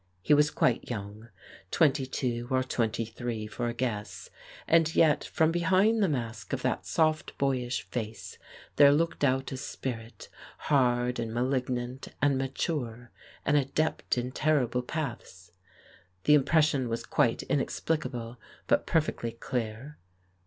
He was quite young, twenty two or twenty three for a guess, and yet from behind the mask of that soft boyish face there looked out a spirit hard and malignant and mature, an adept in terrible paths. The impression was quite inexplicable but perfectly clear.